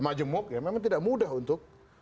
majemuk ya memang tidak mudah untuk